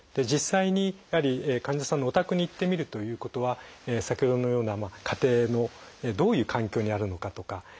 実際にやはり患者さんのお宅に行ってみるということは先ほどのような家庭のどういう環境にあるのかとか